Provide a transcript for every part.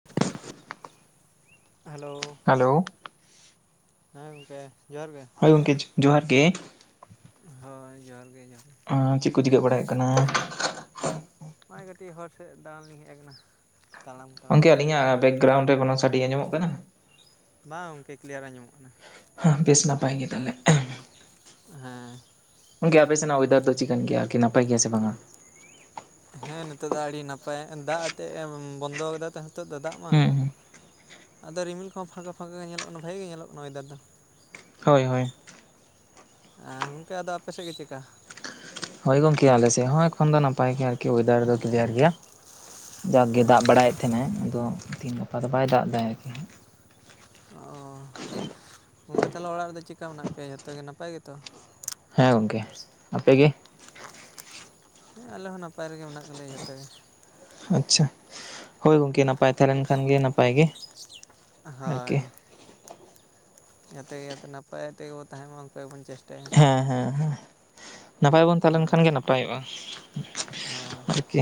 [inaudible] Hello? Hello. ᱦᱮᱸ, ᱜᱚᱝᱠᱮ ᱡᱚᱦᱟᱨ ᱜᱮ᱾ ᱦᱳᱭ ᱜᱚᱢᱠᱮ ᱡᱚᱦᱟᱨ ᱜᱮ᱾ ᱦᱳᱭ ᱡᱚᱦᱟᱨ ᱜᱮ ᱡᱚᱦᱟᱨ ᱜᱮ᱾ ᱚ ᱪᱮᱫ ᱠᱚ ᱪᱤᱠᱟᱹ ᱵᱟᱲᱟᱭ ᱦᱩᱭᱤᱜ ᱠᱟᱱᱟ? ᱦᱚᱸᱜᱼᱚᱭ ᱠᱟᱹᱴᱤᱡ ᱦᱚᱨ ᱥᱮᱫ ᱫᱟᱬᱟᱱ ᱞᱤᱧ ᱦᱮᱡ ᱟᱠᱟᱱᱟ᱾ ᱛᱟᱲᱟᱢ ᱛᱟᱲᱟᱢ ᱜᱚᱢᱠᱮ ᱟᱹᱞᱤᱧᱟᱜ ᱵᱮᱠᱜᱨᱟᱣᱩᱱᱰ ᱨᱮ ᱠᱚᱱᱳ ᱥᱟᱰᱮ ᱟᱸᱡᱚᱢᱚᱜ ᱠᱟᱱᱟ? ᱵᱟᱝ ᱜᱚᱢᱠᱮ ᱠᱞᱤᱭᱟᱨ ᱟᱡᱚᱢᱚᱜ ᱠᱟᱱᱟ᱾ ᱦᱮᱸ ᱵᱮᱥ ᱱᱟᱯᱟᱭ ᱜᱮ ᱛᱟᱦᱚᱞᱮ᱾ ᱦᱮᱸ᱾ ᱜᱚᱝᱠᱮ ᱟᱯᱮ ᱥᱮᱱᱟᱜ ᱚᱭᱮᱫᱟᱨ ᱫᱚ ᱪᱤᱠᱟᱹᱱ ᱜᱮᱭᱟ ᱟᱨᱤ ᱱᱟᱯ ᱜᱮᱭᱟ ᱥᱮ ᱵᱟᱝᱼᱟ? ᱦᱮᱸ ᱱᱤᱛᱚᱜ ᱫᱚ ᱟᱹᱰᱤ ᱱᱟᱯᱟᱭ ᱫᱟᱜ ᱟᱛᱮᱫ ᱮᱢ ᱵᱚᱱᱫᱚ ᱠᱟᱫᱟ ᱛᱚ ᱱᱤᱛᱚᱜ ᱫᱚ ᱫᱟᱜ ᱢᱟ᱾ ᱦᱩᱸ ᱦᱩᱸ ᱟᱫᱚ ᱨᱤᱢᱤᱞ ᱠᱚᱦᱚ ᱯᱷᱟᱸᱠᱟ ᱯᱷᱟᱸᱠᱟ ᱜᱮ ᱧᱮᱞᱚᱜ ᱠᱟᱱᱟ᱾ ᱵᱷᱟᱹᱜᱮ ᱜᱮ ᱧᱮᱞᱚᱜ ᱠᱟᱱᱟ ᱚᱭᱮᱫᱟᱨ ᱫᱚ᱾ ᱦᱳᱭ, ᱦᱳᱭ᱾ ᱟᱨ ᱜᱚᱝᱠᱮ ᱟᱫᱚ ᱟᱯᱮ ᱥᱮᱫ ᱜᱮ ᱪᱤᱫᱠᱟ? ᱦᱳᱭ ᱜᱚᱝᱠᱮ ᱟᱞᱮᱥᱮᱫ ᱦᱚᱸ ᱮᱠᱷᱚᱱ ᱫᱚ ᱱᱟᱯᱟᱭ ᱜᱮᱭᱟ ᱟᱨᱠᱤ, ᱚᱭᱮᱫᱟᱨ ᱫᱚ ᱠᱤᱞᱤᱭᱟᱨ ᱜᱮᱭᱟ᱾ ᱡᱟᱠᱜᱮ ᱫᱟᱜ ᱟᱪᱪᱷᱟ ᱵᱟᱲᱟᱭᱮᱫ ᱛᱟᱦᱮᱱᱟᱭ᱾ ᱟᱫᱚ ᱛᱤᱦᱤᱧ ᱜᱟᱯᱟ ᱫᱚ ᱵᱟᱭ ᱫᱟᱜ ᱮᱫᱟᱭ ᱟᱨᱠᱤ ᱦᱟᱜ᱾ ᱚᱸ᱾ ᱜᱚᱢᱠᱮ ᱛᱟᱦᱚᱞᱮ ᱚᱲᱟᱜ ᱨᱮᱫᱚ ᱪᱮᱠᱟ ᱢᱮᱱᱟᱜ ᱯᱮᱭᱟ ᱡᱷᱚᱛᱚ ᱜᱮ ᱱᱟᱯᱟᱭ ᱜᱮᱛᱚ? ᱦᱮᱸ ᱜᱚᱝᱠᱮ᱾ ᱟᱯᱮ ᱜᱮ? ᱦᱮᱸ ᱟᱞᱮ ᱦᱚᱸ ᱱᱟᱯᱟᱭ ᱨᱮᱜᱮ ᱢᱮᱱᱟᱜ ᱠᱟᱜ ᱞᱮᱭᱟ ᱡᱷᱚᱛᱚ ᱜᱮ᱾ ᱟᱪᱪᱷᱟ ᱦᱳᱭ ᱜᱚᱝᱠᱮ ᱱᱟᱯᱟᱭ ᱛᱟᱦᱮᱸ ᱞᱮᱱ ᱠᱷᱟᱱ ᱜᱮ ᱱᱟᱯᱟᱭ ᱜᱮ᱾ ᱦᱳᱭ ᱟᱨᱠᱤ ᱡᱟᱛᱮ ᱡᱟᱛᱮ ᱱᱟᱯᱟᱭ ᱛᱮᱜᱮᱵᱚᱱ ᱛᱟᱦᱮᱱ ᱢᱟ ᱩᱱᱠᱟ ᱜᱮᱵᱚᱱ ᱪᱮᱥ ᱦᱮᱸ ᱦᱮᱸ ᱦᱮᱸ ᱱᱟᱯᱟᱭ ᱵᱚᱱ ᱛᱟᱦᱮᱸᱞᱮᱱ ᱦᱳᱭ ᱠᱷᱟᱱ ᱜᱮ ᱱᱟᱯᱟᱭᱚᱜᱼᱟ᱾ ᱦᱳᱭ᱾ ᱠᱤ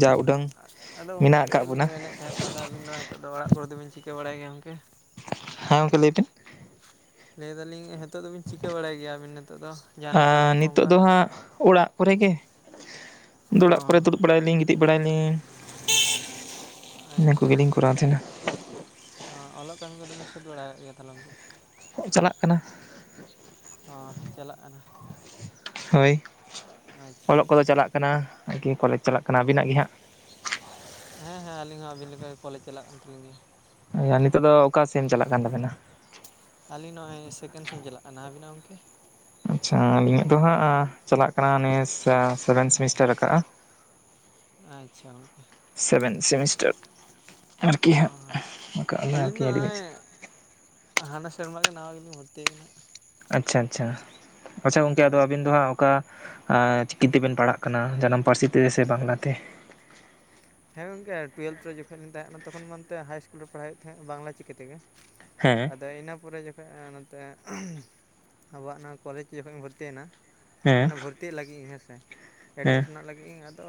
ᱡᱟᱣ ᱩᱰᱟᱹᱜ ᱟᱫᱚ ᱜᱚᱝᱠᱮ ᱞᱤᱧ ᱢᱮᱱᱮᱫ ᱛᱟᱦᱮᱸᱫ ᱛᱟᱦᱚᱞᱮ ᱟᱵᱤᱱ ᱫᱚ ᱦᱤᱛᱚᱜ ᱫᱚ ᱚᱲᱟᱜ ᱠᱚᱨᱮ ᱫᱚᱵᱤᱱ ᱪᱤᱠᱟᱹ ᱵᱟᱲᱟᱭ ᱜᱮᱭᱟ ᱜᱚᱝᱠᱮ? ᱦᱮᱸ ᱜᱚᱝᱠᱮ ᱞᱟᱹᱭ ᱵᱤᱱ? ᱞᱟᱹᱭ ᱫᱟᱞᱤᱧ ᱦᱤᱛᱚᱜ ᱫᱚᱵᱤᱱ ᱪᱤᱠᱟᱹ ᱵᱟᱲᱟᱭ ᱜᱮᱭᱟᱵᱤᱱ ᱱᱤᱛᱚᱜ ᱫᱚ? ᱡᱟᱦᱟᱱᱟᱜ ᱠᱟᱹᱢᱤ ᱟᱸ ᱠᱚ ᱱᱤᱛᱳᱜ ᱚᱱᱠᱟ ᱫᱚ ᱦᱟᱸᱜ ᱚᱲᱟᱜ ᱠᱚᱨᱮ ᱜᱮ, ᱚ ᱚᱲᱟᱜ ᱠᱚᱨᱮ ᱫᱩᱲᱩᱵ ᱵᱟᱲᱟᱭᱟᱞᱤᱧ ᱜᱤᱛᱤᱡ ᱵᱟᱲᱟᱭᱟᱞᱤᱧ, ᱤᱱᱟᱹ ᱠᱚᱜᱮ ᱞᱤᱧ ᱠᱚᱨᱟᱣ ᱛᱟᱦᱮᱸᱱᱟ᱾ ᱚᱸ ᱚᱞᱚᱜ ᱠᱟᱢᱤ ᱠᱚᱫᱚ ᱵᱤᱱ ᱥᱟᱹᱛ ᱵᱟᱲᱟ ᱠᱟᱜ ᱜᱮᱭᱟ [inaudible] ᱫᱚ? [inaudible] ᱪᱟᱞᱟᱜ ᱠᱟᱱᱟ᱾ ᱚ ᱪᱟᱞᱟᱜ ᱠᱟᱱᱟ? ᱦᱳᱭ, ᱟᱪᱪᱷᱟ ᱚᱞᱚᱜ ᱠᱚᱫᱚ ᱟᱪᱪᱷᱟ ᱪᱟᱞᱟᱜ ᱠᱟᱱᱟ, ᱟᱨᱠᱤ ᱠᱚᱞᱮᱡᱽ ᱪᱟᱞᱟᱜ ᱠᱟᱱᱟ᱾ ᱟᱵᱤᱱᱟᱜ ᱜᱮ ᱦᱟᱸᱜ? ᱦᱮᱸ ᱦᱮᱸ ᱟᱹᱞᱤᱧ ᱦᱚᱸ ᱟᱵᱤᱱ ᱞᱮᱠᱟ ᱜᱮ ᱠᱚᱞᱮᱡᱽ ᱪᱟᱞᱟᱜ ᱠᱟᱱ ᱛᱟᱞᱤᱧᱟ᱾ [unintelligible] ᱱᱤᱛᱚᱜ ᱫᱚ ᱚᱠᱟ ᱥᱮᱢ ᱪᱟᱞᱟᱜ ᱠᱟᱱ ᱛᱟᱵᱮᱱᱟ? ᱟᱞᱤᱧ ᱱᱚᱜᱼᱚᱭ ᱥᱮᱠᱮᱱᱰ ᱥᱮᱢ ᱪᱟᱞᱟᱜ ᱠᱟᱱᱟ, ᱟᱵᱤᱱᱟᱜ ᱜᱚᱝᱠᱮ? ᱟᱪᱪᱷᱟ, ᱟᱞᱤᱧᱟᱜ ᱫᱚ ᱦᱟᱸᱜ ᱪᱟᱞᱟᱜ ᱠᱟᱱᱟ ᱱᱤᱭᱟᱹ ᱥᱮᱵᱷᱮᱱ ᱥᱮᱢᱤᱥᱴᱟᱨ ᱨᱟᱠᱟᱜᱼᱟ᱾ ᱟᱪᱪᱷᱟ ᱜᱚᱝᱠᱮ᱾ ᱥᱮᱵᱷᱮᱱ ᱥᱮᱢᱤᱥᱴᱟᱨ, ᱟᱨᱠᱤ ᱚ ᱦᱟᱸᱜ ᱨᱟᱠᱟᱜ ᱟᱹᱞᱤᱧ ᱫᱚ ᱟᱞᱮ ᱱᱚᱜᱼᱚᱭ [inaudible] ᱦᱟᱱᱟ ᱥᱮᱨᱢᱟ ᱜᱮ ᱱᱟᱣᱟ ᱜᱮᱞᱤᱧ ᱵᱷᱚᱨᱛᱤ ᱟᱠᱟᱱᱟ᱾ ᱟᱪᱪᱷᱟ ᱟᱪᱪᱷᱟ, ᱟᱪᱪᱷᱟ ᱜᱚᱝᱠᱮ ᱟᱫᱚ ᱦᱳᱭ ᱟᱵᱤᱱ ᱫᱚ ᱦᱟᱸᱜ ᱚᱠᱟ ᱟᱸ ᱪᱤᱠᱤ ᱛᱮᱵᱮᱱ ᱯᱟᱲᱦᱟᱜ ᱠᱟᱱᱟ ᱡᱟᱱᱟᱢ ᱯᱟᱹᱨᱥᱤ ᱛᱮ ᱥᱮ ᱵᱟᱝᱞᱟ ᱛᱮ? ᱦᱮᱸ ᱜᱚᱝᱠᱮ ᱴᱩᱭᱮᱞᱵᱷᱷ ᱨᱮ ᱡᱚᱠᱷᱚᱡ ᱞᱤᱧ ᱛᱟᱦᱮᱸ ᱠᱟᱱᱟ ᱛᱚᱠᱷᱚᱱ ᱱᱚᱱᱛᱮ ᱦᱟᱭ ᱤᱥᱠᱩᱞ ᱨᱮ ᱯᱟᱲᱦᱟᱣᱮᱫ ᱛᱟᱦᱮᱸᱫ ᱵᱟᱝᱞᱟ ᱪᱤᱠᱤ ᱛᱮᱜᱮ, ᱦᱮᱸ ᱟᱫᱚ ᱤᱱᱟᱹ ᱯᱚᱨᱮ ᱡᱚ ᱠᱷᱚᱡ ᱱᱚᱱᱛᱮ ᱟᱵᱚᱣᱟᱜ ᱱᱚᱣᱟ ᱠᱚᱞᱮᱡᱽ ᱡᱚᱠᱷᱚᱡ ᱤᱧ ᱵᱷᱚᱨᱛᱤᱭᱮᱱᱟ, ᱦᱮᱸ ᱢᱟᱱᱮ ᱵᱷᱚᱨ ᱛᱤᱜ ᱞᱟᱹᱜᱤᱫ ᱤᱧ ᱦᱮᱸᱥ ᱮ, ᱦᱮᱸ ᱮᱰᱢᱤᱥᱚᱱᱚᱜ ᱞᱟᱹᱜᱤᱫ ᱤᱧ ᱟᱫᱚ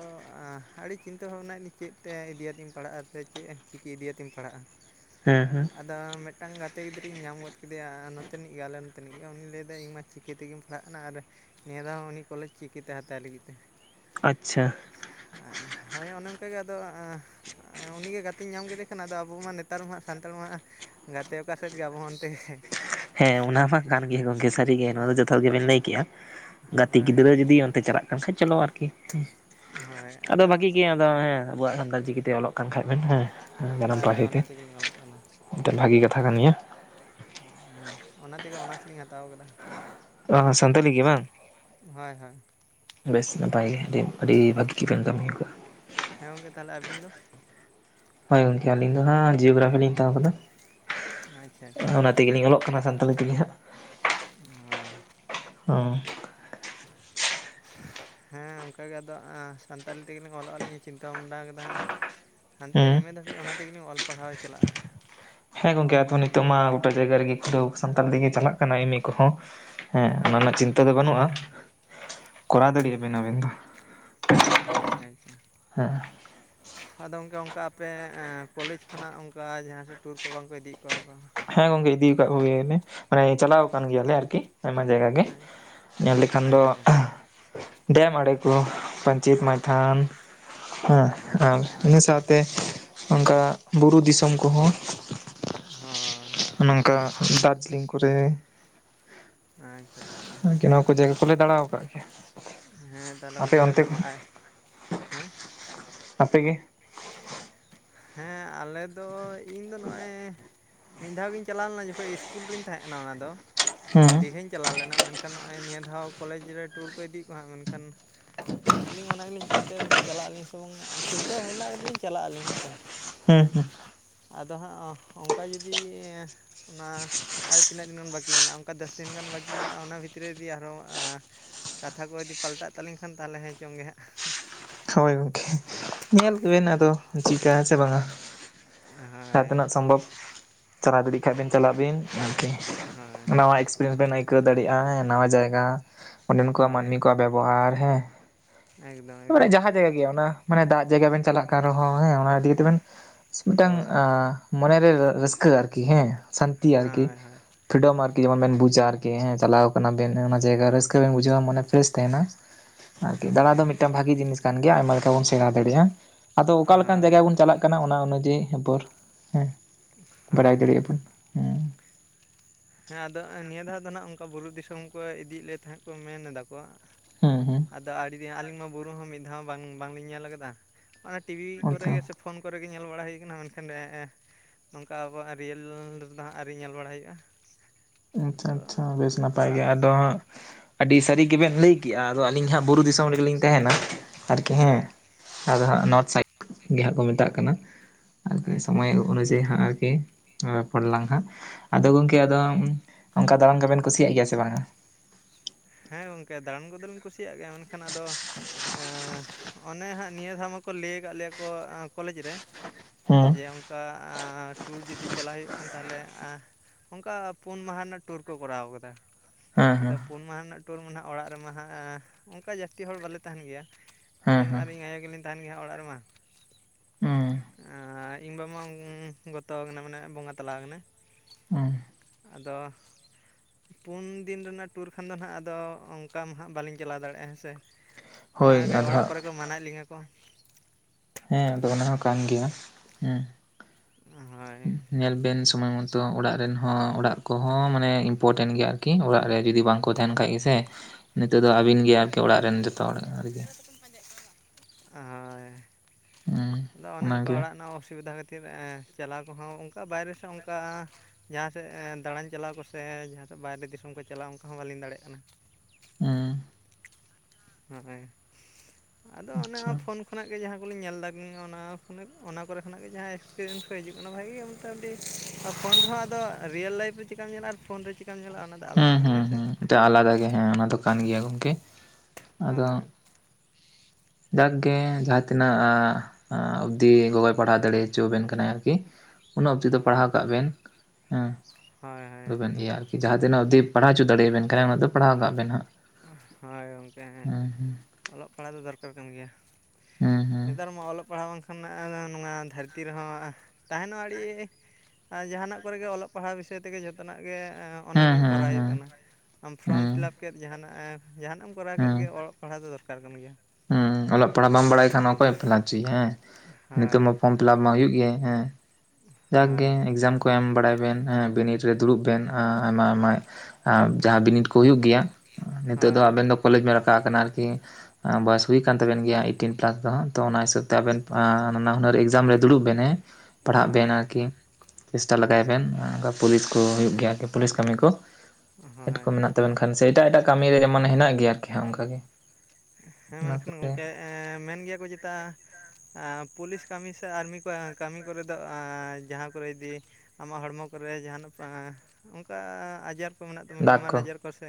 ᱟᱹᱰᱤ ᱪᱤᱱᱛᱟᱹ ᱵᱷᱟᱵᱱᱟᱭᱮᱫ ᱞᱤᱧ ᱪᱮᱫ‌ᱛᱮ ᱤᱫᱤᱭᱟᱛᱤᱧ ᱯᱟᱲᱦᱟᱜᱼᱟ ᱥᱮ ᱪᱮᱫ ᱪᱤᱠᱤ ᱤᱫᱤᱭᱟᱛᱤᱧ ᱯᱟᱲᱦᱟᱜᱼᱟ, ᱦᱮᱸ ᱦᱮᱸ᱾ ᱟᱫᱚ ᱢᱤᱫᱴᱟᱝ ᱜᱟᱛᱮ ᱜᱤᱫᱽᱨᱟᱹᱧ ᱧᱟᱢ ᱜᱚᱫ ᱠᱮᱫᱮᱭᱟ ᱱᱚᱛᱮᱱᱤᱡ ᱜᱮ ᱟᱞᱮ ᱱᱚᱛᱮᱱᱤᱡ ᱜᱮ, ᱩᱱᱤ ᱞᱟᱹᱭᱫᱟᱭ ᱤᱧ ᱢᱟ ᱪᱤᱠᱤ ᱛᱮᱜᱮᱢ ᱯᱟᱲᱦᱟᱜ ᱠᱟᱱᱟ, ᱟᱨ ᱱᱤᱭᱟᱹ ᱫᱷᱟᱣ ᱦᱚᱸ ᱩᱱᱤ ᱠᱚᱞᱮᱡᱽ ᱪᱤᱠᱤ ᱛᱮ ᱦᱟᱛᱟᱣ ᱞᱟᱹᱜᱤᱫ-ᱮ᱾ ᱟᱪᱪᱷᱟ᱾ ᱦᱳᱭ ᱚᱱᱮ ᱚᱝᱠᱟ ᱜᱮ ᱟᱫᱚ ᱩᱱᱤ ᱜᱮ ᱜᱟᱛᱮᱧ ᱧᱟᱢ ᱠᱮᱫᱮ ᱠᱷᱟᱱ ᱟᱫᱚ ᱟᱵᱚ ᱢᱟ ᱱᱮᱛᱟᱨ ᱢᱟ ᱦᱟᱸᱜ ᱥᱟᱱᱛᱟᱲ ᱢᱟ ᱦᱟᱸᱜ ᱜᱟᱛᱮ ᱚᱠᱟ ᱥᱮᱫ ᱜᱮ ᱟᱵᱚ ᱦᱚᱸ ᱚᱱᱛᱮ ᱜᱮ᱾ ᱦᱮᱸ ᱚᱱᱟ ᱢᱟ ᱠᱟᱱ ᱜᱮ ᱜᱚᱝᱠᱮ ᱥᱟᱨᱤ ᱜᱮ ᱱᱚᱣᱟ ᱫᱚ ᱡᱚᱛᱷᱟᱛ ᱜᱮᱵᱮᱱ ᱞᱟᱹᱭ ᱠᱮᱜᱼᱟ, ᱜᱟᱛᱮ ᱦᱳᱭ ᱜᱤᱫᱽᱨᱟᱹ ᱡᱩᱫᱤ ᱚᱱᱛᱮ ᱪᱟᱞᱟᱜ [inaudible] ᱠᱷᱟᱡ ᱪᱚᱞᱚ ᱟᱨᱠᱤ ᱦᱮᱸ, ᱟᱫᱚ ᱵᱷᱟᱜᱤ ᱜᱮᱭᱟ ᱟᱫᱚ ᱦᱮᱸ ᱮᱸ ᱟᱵᱚᱣᱟᱜ ᱥᱟᱱᱛᱟᱲ ᱪᱤᱠᱤ ᱛᱮ ᱚᱞᱚᱜ ᱠᱟᱱ ᱠᱷᱟᱡ ᱵᱮᱱ ᱦᱮᱸ ᱡᱟᱱᱟᱢ ᱦᱳᱭ ᱦᱳᱭ ᱯᱟᱨᱥᱤ ᱛᱮ᱾ ᱚᱱᱟ ᱛᱮᱜᱮᱞᱤᱧ ᱚᱞᱚᱜ ᱠᱟᱱᱟ ᱢᱤᱫᱴᱟᱹᱝ ᱵᱷᱟᱜᱤ ᱠᱟᱛᱷᱟ ᱠᱟᱱ ᱜᱮᱭᱟ᱾ ᱦᱮᱸ ᱚᱱᱟ ᱛᱮᱜᱮ ᱚᱱᱟᱨᱥ ᱞᱤᱧ ᱦᱟᱛᱟᱣ ᱟᱠᱟᱫᱟ᱾ ᱚᱦᱚ ᱥᱟᱱᱛᱟᱞᱤ ᱜᱮ ᱵᱟᱝ? ᱦᱳᱭ ᱦᱳᱭ ᱵᱮᱥ ᱱᱟᱯᱟᱭ ᱜᱮ ᱟᱹᱰᱤ ᱟᱹᱰᱤ ᱵᱷᱟᱹᱜᱤ ᱜᱮᱵᱮᱱ ᱠᱟᱹᱢᱤ ᱠᱟᱜᱼᱟ᱾ ᱦᱮᱸ ᱜᱚᱝᱠᱮ ᱛᱟᱦᱚᱞᱮ ᱟᱵᱤᱱ ᱫᱚ? ᱦᱚᱭ ᱜᱚᱝᱠᱮ ᱟᱹᱞᱤᱧ ᱫᱚ ᱦᱟᱸᱜ ᱡᱤᱭᱳᱜᱨᱟᱯᱷᱤ ᱞᱤᱧ ᱦᱟᱛᱟᱣ ᱠᱟᱫᱟ᱾ ᱟᱪᱪᱷᱟ ᱟᱪᱪᱷᱟ᱾ ᱛᱮᱜᱮᱞᱮᱧ ᱚᱞᱚᱜ ᱠᱟᱱᱟ ᱥᱟᱱᱛᱟᱞᱤ ᱛᱮᱜᱮ ᱦᱟᱸᱜ᱾ ᱚᱸᱻ᱾ ᱦᱚᱸ᱾ ᱦᱮᱸ ᱚᱝᱠᱟ ᱜᱮ ᱟᱫᱚ ᱥᱟᱱᱛᱟᱞᱤ ᱛᱮᱜᱮ ᱞᱤᱧ ᱚᱞᱚᱜ ᱟᱹᱞᱤᱧ ᱪᱤᱱᱛᱟᱹ ᱵᱷᱟᱰᱱᱟ ᱠᱟᱫᱟ ᱦᱟᱸᱜ᱾ ᱦᱟᱱᱛᱮ ᱦᱩᱸ ᱮᱢ. ᱮ. ᱫᱷᱟᱵᱤᱡ ᱚᱱᱟ ᱛᱮᱜᱮᱞᱤᱧ ᱚᱞ ᱯᱟᱲᱦᱟᱣ ᱪᱟᱞᱟᱜᱼᱟ᱾ ᱦᱮᱸ ᱜᱚᱢᱠᱮ ᱟᱫᱚ ᱱᱤᱛᱚᱜ ᱢᱟ ᱜᱚᱴᱟ ᱡᱟᱭᱜᱟ ᱨᱮᱜᱮ ᱠᱷᱩᱨᱟᱹᱣ ᱥᱟᱱᱛᱟᱲ ᱛᱮᱜᱮ ᱪᱟᱞᱟᱜ ᱠᱟᱱᱟ ᱮᱢ ᱢᱤ ᱠᱚᱦᱚᱸ᱾ ᱦᱮᱸ ᱚᱱᱟ ᱦᱳᱭ ᱨᱮᱱᱟᱜ ᱪᱤᱱᱛᱟᱹ ᱫᱚ ᱵᱟᱹᱱᱩᱜᱼᱟ ᱠᱚᱨᱟᱣ ᱫᱟᱲᱮᱭᱟᱜ ᱵᱮᱤᱱ ᱟᱵᱤᱱ ᱫᱚ᱾ ᱟᱪᱪᱷᱟ ᱟᱪᱪᱷᱟ᱾ ᱦᱮᱸ ᱟᱫᱚ ᱜᱚᱢᱠᱮ ᱚᱱᱠᱟ ᱟᱯᱮ ᱠᱚᱞᱮᱡᱽ ᱠᱷᱚᱱᱟᱜ ᱚᱝᱠᱟ ᱡᱟᱦᱟᱸ ᱥᱮᱫ ᱴᱩᱨ ᱠᱚ ᱵᱟᱝᱠᱚ ᱤᱫᱤᱭᱮᱫ ᱠᱚᱣᱟ ᱠᱚ? ᱦᱮᱸ ᱜᱚᱝᱠᱮ ᱤᱫᱤᱠᱟᱫ ᱠᱚᱜᱮᱭᱟᱞᱮ ᱢᱟᱱᱮ ᱪᱟᱞᱟᱣ ᱟᱠᱟᱱ ᱜᱮᱭᱟᱞᱮ ᱟᱨᱠᱤ᱾ ᱟᱭᱢᱟ ᱡᱟᱭᱜᱟ ᱜᱮ, ᱟᱪᱪᱷᱟ ᱧᱮᱞ ᱞᱮᱠᱷᱟᱱ ᱫᱚ ᱟᱪᱪᱷᱟ ᱰᱮᱢ ᱟᱲᱮ ᱠᱚ ᱯᱟᱧᱪᱮᱛ, ᱢᱟᱭᱫᱷᱟᱱ ᱦᱮᱸ, ᱟᱨ ᱤᱱᱟᱹ ᱥᱟᱶᱛᱮ ᱚᱱᱠᱟ ᱵᱩᱨᱩ ᱫᱤᱥᱚᱢ ᱠᱚᱦᱚᱸ ᱦᱚᱸ᱾ ᱠᱟ ᱫᱟᱨᱡᱤᱞᱤᱝ ᱠᱚᱨᱮ ᱟᱪᱪᱷᱟ ᱟᱪᱪᱷᱟ᱾ ᱟᱨᱠᱤ ᱱᱚᱣᱟ ᱡᱟᱭᱜᱟ ᱠᱚᱞᱮ ᱫᱟᱬᱟᱣ ᱠᱟᱜ ᱜᱮᱭᱟ ᱾ ᱦᱮᱸ ᱛᱟᱦᱚᱞᱮ ᱜᱚᱢᱠᱮ ᱟᱹᱵᱤᱱ ᱢᱟ ᱟᱭ ᱦᱮᱸ? ᱟᱯᱮ ᱜᱮ? ᱦᱮᱸ ᱟᱞᱮ ᱫᱚ ᱤᱧᱫᱚ ᱱᱚᱜᱼᱚᱭ ᱢᱤᱫ ᱫᱷᱟᱣ ᱜᱤᱧ ᱪᱟᱞᱟᱣ ᱞᱮᱱᱟ ᱡᱚᱠᱷᱚᱱ ᱤᱥᱠᱩᱞ ᱨᱤᱧ ᱛᱟᱦᱮᱸᱜ ᱠᱟᱱᱟ ᱚᱱᱟ ᱫᱚ ᱦᱮᱸ ᱫᱤᱜᱷᱟᱧ ᱪᱟᱞᱟᱣ ᱞᱮᱱᱟ ᱾ ᱢᱮᱱᱠᱷᱟᱱ ᱱᱚᱜᱼᱚᱭ ᱱᱤᱭᱟᱹ ᱫᱷᱟᱣ ᱠᱚᱞᱮᱡᱽ ᱨᱮ ᱴᱩᱨ ᱠᱚ ᱤᱫᱤᱭᱮᱫ ᱠᱚᱣᱟ ᱾ ᱢᱮᱱᱠᱷᱟᱱ ᱟᱹᱞᱤᱧ ᱚᱱᱟ ᱜᱮᱞᱤᱧ ᱪᱤᱱᱛᱟᱹᱭᱮᱫᱟ ᱦᱟᱸᱜ ᱪᱟᱞᱟᱜ ᱟᱹᱞᱤᱧ ᱥᱮ ᱵᱟᱝ ᱪᱤᱱᱛᱟᱹ ᱵᱷᱟᱵᱱᱟ ᱠᱟᱫᱟᱞᱤᱧ ᱪᱟᱞᱟᱜ ᱟᱹᱞᱤᱧ ᱦᱮᱸᱥᱮ ᱾ ᱦᱩᱸ ᱦᱩᱸ᱾ ᱟᱫᱚ ᱦᱟᱸᱜ ᱚᱝᱠᱟ ᱡᱩᱫᱤ ᱚᱱᱟ ᱟᱨ ᱛᱤᱱᱟᱹᱜ ᱫᱤᱱ ᱜᱟᱱ ᱵᱟᱹᱠᱤ ᱢᱮᱱᱟᱜᱼᱟ ᱚᱱᱠᱟ ᱫᱚᱥ ᱫᱤᱱ ᱜᱟᱱ ᱵᱟᱹᱠᱤ ᱢᱮᱱᱟᱜᱼᱟ ᱾ ᱚᱱᱟ ᱵᱷᱤᱛᱨᱤ ᱨᱮᱜᱤ ᱟᱨᱦᱚᱸ ᱟ ᱠᱟᱛᱷᱟ ᱠᱚ ᱡᱩᱫᱤ ᱯᱟᱞᱴᱟᱜ ᱛᱟᱹᱞᱤᱧ ᱠᱷᱟᱱ ᱛᱟᱦᱚᱞᱮ ᱦᱮᱸ ᱪᱚᱝ ᱜᱮ ᱦᱟᱸᱜ ᱾ ᱦᱳᱭ ᱜᱚᱝᱠᱮ ᱾ ᱧᱮᱞ ᱠᱚᱵᱮᱱ ᱟᱫᱚ ᱪᱤᱠᱠᱟ ᱦᱮᱸᱥᱮ ᱵᱟᱝᱼᱟ ᱦᱟᱸᱜ ᱡᱟᱦᱟᱸ ᱦᱳᱭ ᱛᱤᱱᱟᱹᱜ ᱥᱚᱢᱵᱷᱚᱵ ᱾ ᱪᱟᱞᱟᱣ ᱜᱤᱰᱤᱜ ᱠᱷᱟᱡ ᱵᱤᱱ ᱪᱟᱞᱟᱜ ᱵᱤᱱ ᱦᱳᱭ ᱾ ᱱᱟᱣᱟ ᱮᱠᱥᱯᱤᱨᱤᱭᱮᱱᱥ ᱵᱮᱱ ᱟᱹᱭ ᱠᱟᱹᱣ ᱫᱟᱲᱮᱭᱟᱜᱼᱟ ᱦᱮᱸ ᱱᱟᱣᱟ ᱡᱟᱭᱜᱟ ᱚᱸᱰᱮᱱ ᱠᱚᱣᱟᱜ ᱦᱳᱭ ᱢᱟᱹᱱᱢᱤ ᱠᱚᱣᱟᱜ ᱵᱮᱵᱚᱦᱟᱨ ᱦᱮᱸ ᱾ ᱮᱠᱫᱚᱢ ᱮᱵᱟᱨᱮ ᱮᱠᱫᱚᱢ ᱡᱟᱦᱟᱸ ᱡᱟᱭᱜᱟ ᱜᱮ ᱚᱱᱟ ᱢᱟᱱᱮ ᱫᱟᱜ ᱡᱟᱭᱜᱟ ᱵᱮᱱ ᱪᱟᱞᱟᱜ ᱠᱟᱱ ᱨᱮᱦᱚᱸ ᱦᱮᱸ ᱚᱱᱟ ᱤᱫᱤᱭᱤ ᱛᱮᱵᱮᱱ ᱢᱤᱫᱴᱟᱝ ᱦᱳᱭ ᱢᱚᱱᱮᱨᱮ ᱨᱟᱹᱥ ᱠᱟᱹ ᱟᱨᱠᱤ ᱦᱮᱸ ᱥᱟᱹᱱᱛᱤ ᱟᱨᱠᱤ, ᱦᱳᱭ ᱦᱳᱭ ᱯᱷᱨᱤᱰᱚᱢ ᱟᱨᱠᱤ ᱡᱮᱢᱚᱱ ᱵᱮᱱ ᱵᱩᱡᱟ ᱟᱨᱠᱤ ᱦᱮᱸ ᱪᱟᱞᱟᱣ ᱠᱟᱱᱟ ᱵᱮᱱ ᱚᱱᱟ ᱡᱟᱭᱜᱟ ᱨᱟᱹᱥᱠᱟᱹ ᱵᱮᱱ ᱵᱩᱡᱷᱟᱹᱣᱟ ᱢᱚᱱᱮ ᱯᱷᱨᱮᱥ ᱛᱟᱦᱮᱸᱱᱟ ᱾ [inaudible] ᱟᱨᱠᱤ ᱫᱟᱬᱟ ᱫᱚ ᱢᱤᱫᱴᱟᱝ ᱵᱷᱟᱜᱤ ᱡᱤᱱᱤᱥ ᱠᱟᱱ ᱜᱮᱭᱟ, ᱟᱭᱢᱟ ᱞᱮᱠᱟ ᱵᱚᱱ ᱥᱮᱬᱟ ᱫᱟᱲᱮᱭᱟᱜᱼᱟ ᱾ ᱟᱫᱚ ᱚᱠᱟ ᱞᱮᱠᱟᱱ ᱦᱳᱭ ᱡᱟᱭᱜᱟ ᱵᱚᱱ ᱪᱟᱞᱟᱜ ᱠᱟᱱᱟ ᱚᱱᱟ ᱚᱱᱩᱡᱟᱭᱤ ᱮᱯᱚᱨ ᱦᱮᱸ ᱵᱟᱰᱟᱭ ᱦᱳᱭ ᱫᱟᱲᱮᱭᱟᱜᱼᱟ ᱵᱚᱱ ᱦᱩᱸ᱾ ᱦᱮᱸ ᱟᱫᱚ ᱱᱤᱭᱟᱹ ᱫᱷᱟᱣ ᱫᱚ ᱱᱟᱦᱟᱸᱜ ᱚᱱᱠᱟ ᱵᱩᱨᱩ ᱫᱤᱥᱚᱢ ᱠᱚ ᱤᱫᱤᱭᱮᱫ ᱞᱮ ᱛᱟᱦᱮᱸᱫ ᱠᱚ ᱢᱮᱱ ᱮᱫᱟ ᱠᱚ, ᱦᱮᱸ ᱦᱮᱸ ᱟᱫᱚ ᱟᱹᱰᱤ ᱫᱤᱱ ᱾ ᱟᱹᱞᱤᱧ ᱢᱟ ᱵᱩᱨᱩ ᱦᱚᱸ ᱢᱤᱫ ᱫᱷᱟᱣ ᱵᱟᱝ ᱵᱟᱝᱞᱤᱧ ᱧᱮᱞ ᱠᱟᱫᱟ ᱾ ᱚᱱᱟ ᱴᱤᱵᱷᱤ ᱠᱚᱨᱮ ᱜᱮ ᱟᱪᱪᱷᱟ ᱥᱮ ᱯᱷᱳᱱ ᱠᱚᱨᱮᱜ ᱜᱮ ᱧᱮᱞ ᱵᱟᱲᱟ ᱦᱩᱭ ᱠᱟᱱᱟ ᱾ ᱢᱮᱱᱠᱷᱟᱱ ᱮᱹ ᱱᱚᱝᱠᱟ ᱟᱵᱚᱣᱟᱜ ᱨᱤᱭᱮᱞ ᱨᱮᱫᱚ ᱦᱟᱸᱜ ᱟᱹᱣᱨᱤ ᱧᱮᱞ ᱵᱟᱲᱟ ᱦᱳᱭᱳᱜᱼᱟ ᱾ ᱟᱪᱪᱷᱟ ᱟᱪᱪᱷᱟ ᱵᱮᱥ ᱱᱟᱯᱟᱭ ᱚᱲᱟᱜ ᱜᱮᱭᱟ ᱟᱫᱚ ᱦᱟᱸᱜ ᱟᱹᱰᱤ ᱥᱟᱹᱨᱤ ᱜᱮᱵᱮᱱ ᱞᱟᱹᱭ ᱠᱮᱜᱼᱟ ᱾ ᱟᱫᱚ ᱟᱹᱞᱤᱧ ᱦᱟᱸᱜ ᱵᱩᱨᱩ ᱫᱤᱥᱚᱢ ᱨᱮᱜᱮᱞᱤᱧ ᱛᱟᱦᱮᱸᱱᱟ ᱟᱨᱠᱤ ᱦᱮᱸ, ᱦᱳᱭ ᱟᱫᱚ ᱦᱟᱸᱜ ᱱᱚᱨᱛᱷ ᱥᱟᱭᱤᱰ ᱜᱮ ᱦᱟᱸᱜ ᱠᱚ ᱢᱮᱛᱟᱜ ᱠᱟᱱᱟ ᱾ ᱟᱨᱠᱤ ᱟᱪᱪᱷᱟ ᱥᱚᱢᱚᱭ ᱚᱱᱩᱡᱟᱭᱤ ᱦᱟᱸᱜ ᱟᱨᱠᱤ ᱨᱚᱯᱚᱲᱟᱞᱟᱝ ᱦᱟᱸᱜ ᱾ ᱟᱫᱚ ᱜᱚᱢᱠᱮ ᱟᱫᱚ ᱚᱝᱠᱟ ᱫᱟᱬᱟᱱ ᱠᱚᱵᱮᱱ ᱠᱩᱥᱤᱭᱟᱜ ᱜᱮᱭᱟ ᱥᱮ ᱵᱟᱝᱼᱟ? ᱦᱮᱸ ᱜᱚᱝᱠᱮ ᱫᱟᱬᱟᱱ ᱠᱚᱫᱚᱞᱤᱧ ᱠᱩᱥᱤᱭᱟᱜ ᱜᱮᱭᱟ ᱾ ᱢᱮᱱᱠᱷᱟᱱ ᱟᱫᱚ ᱮᱸᱻ ᱚᱱᱮ ᱦᱟᱸᱜ ᱱᱤᱭᱟᱹ ᱫᱷᱟᱣ ᱢᱟᱠᱚ ᱞᱟᱹᱭ ᱠᱟᱜ ᱞᱮᱭᱟ ᱠᱚ ᱠᱚᱞᱮᱡᱽ ᱨᱮ ᱦᱮᱸ ᱡᱮ ᱚᱝᱠᱟ ᱴᱩᱨ ᱡᱩᱫᱤ ᱪᱟᱞᱟᱜ ᱦᱩᱭᱩᱜ ᱠᱷᱟᱱ ᱛᱟᱦᱚᱞᱮ ᱮ ᱚᱱᱠᱟ ᱯᱩᱱ ᱢᱟᱦᱟ ᱨᱮᱱᱟᱜ ᱴᱩᱨ ᱠᱚ ᱠᱚᱨᱟᱣ ᱟᱠᱟᱫᱟ ᱾ ᱦᱮᱸ ᱟᱫᱚ ᱦᱮᱸ ᱯᱩᱱ ᱢᱟᱦᱟ ᱨᱮᱱᱟᱜ ᱴᱩᱨ ᱢᱟ ᱦᱟᱸᱜ ᱚᱲᱟᱜ ᱨᱮᱢᱟ ᱦᱟᱸᱜ ᱚᱱᱠᱟ ᱡᱟᱹᱥᱛᱤ ᱦᱚᱲ ᱵᱟᱞᱮ ᱛᱟᱦᱮᱱ ᱜᱮᱭᱟ ᱾ ᱦᱮᱸ ᱤᱧ ᱦᱮᱸ ᱟᱨ ᱤᱧ ᱟᱭᱳ ᱜᱮᱞᱤᱧ ᱛᱟᱦᱮᱱ ᱜᱮᱭᱟ ᱦᱟᱸᱜ ᱚᱲᱟᱜ ᱨᱮᱢᱟ ᱾ ᱦᱮᱸ ᱟᱸᱻ ᱤᱧ ᱵᱟ ᱢᱟ ᱜᱚᱛᱚ ᱠᱟᱱᱟ ᱢᱟᱱᱮ ᱵᱚᱸᱜᱟ ᱛᱟᱞᱟ ᱠᱟᱱᱟᱭ ᱾ ᱦᱩᱸ ᱟᱫᱚᱻ ᱯᱩᱱ ᱫᱤᱱ ᱨᱮᱱᱟᱜ ᱴᱩᱨ ᱠᱷᱟᱱ ᱫᱚ ᱱᱟᱦᱟᱜ ᱟᱫᱚ ᱚᱱᱠᱟ ᱢᱟ ᱦᱟᱸᱜ ᱵᱟᱹᱞᱤᱧ ᱪᱟᱞᱟᱣ ᱫᱟᱲᱮᱭᱟᱜᱼᱟ ᱦᱮᱸ ᱥᱮ ᱾ ᱚᱱᱟ ᱦᱳᱭ ᱜᱮ ᱟᱫᱚ ᱚᱲᱟᱜ ᱦᱟᱸᱜ ᱠᱚᱨᱮ ᱠᱚ ᱢᱟᱱᱟᱭᱮᱫ ᱞᱤᱧᱟᱹ ᱠᱚ ᱾ ᱦᱮᱸ ᱟᱫᱚ ᱚᱱᱟ ᱦᱚᱸ ᱠᱟᱱ ᱜᱮᱭᱟ ᱦᱳᱭ ᱾ ᱧᱮᱞ ᱵᱮᱱ ᱥᱚᱢᱚᱭ ᱛᱚ ᱚᱲᱟᱜ ᱨᱮᱱ ᱦᱚᱸ ᱚᱲᱟᱜ ᱠᱚᱦᱚᱸ ᱢᱟᱱᱮ ᱤᱢᱯᱴᱮᱱ ᱜᱮᱭᱟ ᱟᱨᱠᱤ ᱾ ᱚᱲᱟᱜ ᱨᱮ ᱡᱩᱫᱤ ᱵᱟᱝᱠᱚ ᱛᱟᱦᱮᱱ ᱠᱷᱟᱡ ᱜᱮ ᱥᱮ ᱱᱤᱛᱚᱜ ᱫᱚ ᱟᱹᱵᱤᱱ ᱜᱮ ᱱᱚᱛᱮᱨᱮᱢ ᱦᱚᱲ ᱪᱤᱠᱟᱹᱭᱮᱜᱼᱟ? ᱧᱟᱛᱟᱧ ᱟᱨᱠᱤ ᱮᱨᱟ ᱛᱟᱠᱚᱢ ᱯᱟᱸᱡᱟᱭᱮᱫ ᱠᱚᱣᱟ ᱵᱟᱝ? ᱦᱳᱭ ᱦᱩᱸ ᱾ ᱟᱫᱚ ᱚᱱᱮ ᱚᱱᱠᱟ ᱚᱱᱟᱜᱮ ᱚᱲᱟᱜ ᱨᱮᱱᱟᱜ ᱚᱥᱤᱵᱤᱫᱷᱟ ᱛᱤᱨ ᱪᱟᱞᱟᱣ ᱠᱚᱦᱚᱸ ᱚᱱᱠᱟ ᱵᱟᱭᱨᱮ ᱥᱮᱜ ᱚᱱᱠᱟ ᱡᱟᱦᱟᱸ ᱥᱮᱫ ᱫᱟᱬᱟᱱ ᱪᱟᱞᱟᱣ ᱠᱚᱥᱮ ᱡᱟᱦᱟᱸ ᱥᱮᱫ ᱵᱟᱭᱨᱮ ᱫᱤᱥᱚᱢ ᱠᱚ ᱪᱟᱞᱟᱣ ᱚᱱᱠᱟ ᱦᱚᱸ ᱵᱟᱹᱞᱤᱧ ᱫᱟᱲᱭᱟᱜ ᱠᱟᱱᱟ ᱾ ᱦᱩᱸ ᱦᱚᱭ ᱟᱫᱚ ᱚᱱᱮ ᱟᱪᱪᱷᱟ ᱦᱚᱸ ᱯᱷᱚᱱ ᱠᱷᱚᱱᱟᱜ ᱜᱮ ᱡᱟᱦᱟᱸ ᱠᱚᱞᱤᱧ ᱧᱮᱞ ᱮᱫᱟ ᱚᱱᱟᱱᱟᱜ ᱚᱱᱟ ᱠᱚᱨᱮ ᱠᱷᱚᱱᱟᱜ ᱜᱮ ᱡᱟᱦᱟᱸ ᱮᱠᱥᱯᱤᱨᱤᱭᱮᱱᱥ ᱦᱚᱸ ᱦᱤᱡᱩᱜ ᱠᱟᱱᱟ ᱵᱷᱟᱜᱮ ᱯᱷᱚᱱ ᱦᱚᱸ ᱟᱫᱚ ᱨᱤᱭᱮᱞ ᱞᱟᱭᱤᱯᱷ ᱨᱮ ᱪᱮᱠᱟᱢ ᱧᱮᱚᱜ ᱟᱨ ᱯᱷᱚᱱ ᱨᱮ ᱪᱠᱟ ᱪᱤᱠᱟᱢ ᱧᱮᱞᱟᱼᱟ ᱚᱱᱟ ᱫᱚ ᱦᱩᱸ ᱟᱞᱟᱫᱟ ᱠᱟᱱᱟ ᱦᱩᱸ ᱦᱮᱸ ᱥᱮ ᱦᱩᱸ ᱮᱴᱟᱜ ᱟᱞᱟᱫᱟ ᱜᱮ ᱦᱮᱸ ᱚᱱᱟ ᱫᱚ [unintelligible] ᱟᱫᱚ ᱦᱳᱭ ᱡᱟᱠ ᱜᱮ ᱡᱟᱦᱟᱸ ᱛᱤᱱᱟᱹᱜ ᱚᱵᱫᱤ ᱜᱚᱜᱚᱭ ᱯᱟᱲᱦᱟᱣ ᱫᱟᱲᱮ ᱦᱚᱪᱚ ᱵᱮᱱ ᱠᱟᱱᱟᱭ ᱟᱨᱠᱤ ᱩᱱᱟᱹᱜ ᱚᱵᱽᱫᱤ ᱫᱚ ᱦᱳᱭ ᱯᱟᱲᱦᱟᱣ ᱠᱟᱜ ᱵᱮᱱ ᱦᱮᱸ ᱦᱳᱭ ᱦᱳᱭ ᱟᱵᱮᱱ ᱤᱭᱟᱹ ᱟᱨᱠᱤ ᱡᱟᱦᱟᱸ ᱛᱤᱱᱟᱹᱜ ᱚᱵᱽᱫᱤ ᱯᱟᱲᱦᱟᱣ ᱦᱚᱪᱚ ᱫᱟᱲᱮᱭᱟ ᱵᱮᱱ ᱠᱟᱱᱟᱭ ᱚᱱᱟ ᱫᱚ ᱯᱟᱲᱦᱟᱣ ᱠᱟᱜ ᱵᱮᱱ ᱦᱟᱸᱜ ᱦᱚᱭ ᱜᱚᱝᱠᱮ ᱦᱮᱸ ᱦᱩᱸ ᱚᱞᱚᱜ ᱯᱟᱲᱦᱟᱜ ᱫᱚ ᱫᱚᱨᱠᱟᱨ ᱠᱟᱱ ᱜᱮᱭᱟ ᱦᱩᱸ ᱦᱩᱸ ᱱᱮᱛᱟᱨ ᱢᱟ ᱚᱞᱚᱜ ᱯᱟᱲᱦᱟᱣ ᱵᱟᱝᱠᱷᱟᱱ ᱠᱷᱟᱱ ᱱᱚᱣᱟ ᱫᱷᱟᱹᱨᱛᱤ ᱨᱮᱦᱚᱸ ᱛᱟᱦᱮᱱᱚᱜ ᱟᱹᱰᱤ ᱟᱨ ᱡᱟᱦᱟᱱᱟᱜ ᱠᱚᱨᱮᱜ ᱜᱮ ᱚᱞᱚᱜ ᱯᱟᱲᱦᱟᱣ ᱵᱤᱥᱚᱭ ᱛᱮᱜᱮ ᱡᱚᱛᱚᱱᱟᱜ ᱜᱮ ᱚᱱᱟ ᱦᱩᱸ ᱠᱚᱜᱮ ᱦᱩᱸ ᱦᱩᱸ ᱠᱚᱨᱟᱣ ᱦᱩᱭᱩᱜ ᱠᱟᱱᱟ ᱟᱢ ᱯᱷᱨᱚᱢ ᱦᱩᱸ ᱯᱷᱤᱞᱟᱯ ᱠᱮᱫ ᱡᱟᱦᱟᱱᱟᱜ ᱡᱟᱦᱟᱱᱟᱜ ᱮᱢ ᱠᱚᱨᱟᱣ ᱠᱮᱫ ᱜᱮ ᱚᱞ ᱯᱟᱲᱦᱟᱜ ᱫᱚ ᱫᱚᱨᱠᱟᱨ ᱠᱟᱱ ᱜᱮᱭᱟ ᱦᱮᱸ ᱚᱞᱚᱜ ᱯᱟᱲᱦᱟᱜ ᱵᱟᱢ ᱵᱟᱲᱟᱭ ᱠᱷᱟᱱ ᱚᱠᱚᱭᱮ ᱯᱷᱮᱞᱟᱪᱚᱭ ᱦᱮᱸ ᱱᱤᱛᱚᱜ ᱦᱳᱭ ᱢᱟ ᱯᱷᱚᱨᱚᱢ ᱯᱷᱤᱞᱟᱯ ᱢᱟ ᱦᱩᱭᱩᱜ ᱜᱮᱭ ᱦᱮᱸ ᱡᱟᱜᱠ ᱜᱮ ᱦᱳᱭ ᱮᱜᱡᱟᱢ ᱠᱚ ᱠᱚ ᱮᱢ ᱵᱟᱲᱟᱭ ᱵᱮᱱ ᱵᱤᱱᱤᱰ ᱨᱮ ᱫᱩᱲᱩᱵ ᱵᱮᱱ ᱟᱭᱢᱟ-ᱟᱭᱢᱟ ᱡᱟᱦᱟᱸ ᱵᱤᱱᱤᱰ ᱠᱚ ᱦᱩᱭᱩᱜ ᱜᱮᱭᱟ ᱱᱤᱛᱚᱜ ᱫᱚ ᱦᱳᱭ ᱟᱵᱮᱱ ᱫᱚ ᱠᱚᱞᱮᱡᱽ ᱵᱮᱱ ᱨᱟᱠᱟᱵ ᱟᱠᱟᱱᱟ ᱟᱨᱠᱤ ᱵᱚᱭᱮᱥ ᱦᱩᱭ ᱠᱟᱱᱟᱱ ᱛᱟᱵᱮᱱ ᱜᱮᱭᱟ ᱮᱭᱴᱤᱱ ᱯᱞᱟᱥ ᱨᱮᱦᱚᱸ ᱛᱚ ᱚᱱᱟ ᱦᱤᱥᱟᱹᱵ ᱛᱮ ᱟᱵᱮᱱ ᱱᱟᱱᱟᱩᱹᱨ ᱮᱜᱡᱟᱢ ᱨᱮ ᱫᱩᱲᱩᱵ ᱵᱮᱱ ᱦᱮᱸ ᱯᱟᱲᱦᱟᱜ ᱵᱮᱱ ᱦᱳᱭ ᱟᱨᱠᱤ ᱪᱮᱥᱴᱟ ᱞᱮᱟᱜᱟᱭ ᱵᱮᱱ ᱚᱱᱠᱟ ᱯᱩᱞᱤᱥ ᱠᱚ ᱦᱩᱭᱩᱜ ᱜᱮᱭᱟ ᱟᱨᱠᱤ ᱯᱩᱞᱤᱥ ᱠᱟᱹᱢᱤ ᱠᱚ ᱦᱰ ᱠᱚ ᱦᱳᱭ ᱢᱮᱱᱟᱜ ᱛᱟᱵᱮᱱ ᱠᱷᱟᱱ ᱥᱮ ᱮᱴᱟᱜ ᱮᱴᱟᱜ ᱠᱟᱹᱢᱤ ᱨᱮ ᱡᱮᱢᱚᱱ ᱦᱮᱱᱟᱜ ᱜᱮᱭᱟ ᱟᱨᱠᱤ ᱦᱟᱜ ᱚᱱᱠᱟᱜᱮ ᱦᱮᱸ ᱚᱱᱟ ᱢᱮᱱᱠᱷᱟᱱ ᱠᱚᱨᱮ ᱜᱚᱢᱠᱮ ᱢᱮᱱ ᱜᱮᱭᱟ ᱠᱚ ᱪᱮᱛᱟ ᱯᱩᱞᱤᱥ ᱠᱟᱹᱢᱤ ᱥᱮ ᱟᱨᱢᱤ ᱠᱟᱹᱢᱤ ᱠᱚᱨᱮ ᱫᱚ ᱡᱟᱦᱟᱸᱻ ᱠᱚᱨᱮ ᱡᱩᱫᱤ ᱟᱢᱟᱜ ᱦᱚᱲᱢᱚ ᱠᱚᱨᱮ ᱡᱟᱦᱟᱱᱟᱜ ᱚᱱᱠᱟ ᱟᱡᱟᱨ ᱢᱮᱱᱟᱜ ᱛᱟᱢᱟ ᱵᱤᱢᱟᱨ ᱟᱡᱟᱨ ᱠᱚ ᱥᱮ